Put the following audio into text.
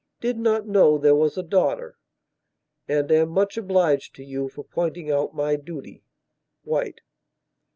Did not know there was a daughter, and am much obliged to you for pointing out my duty. White."